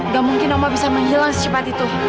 gak mungkin mama bisa menghilang secepat itu